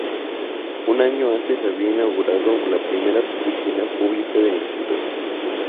Un año antes se había inaugurado la primera piscina pública en la ciudad.